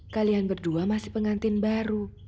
kalian berdua masih pengantin baru